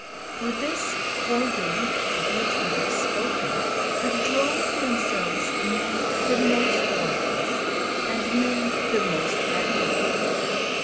For this corps d'élite of which we have spoken have drawn to themselves men the most worthless, and men the most admirable.